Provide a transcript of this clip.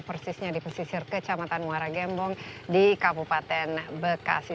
persisnya di pesisir kecamatan muara gembong di kabupaten bekasi